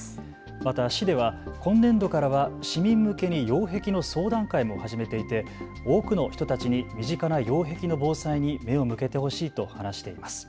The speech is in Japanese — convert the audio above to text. また市では今年度からは市民向けに擁壁の相談会も始めていて、多くの人たちに身近な擁壁の防災に目を向けてほしいと話しています。